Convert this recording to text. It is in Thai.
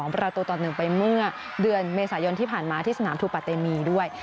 ประตูต่อ๑ไปเมื่อเดือนเมษายนที่ผ่านมาที่สนามทูปะเตมีด้วย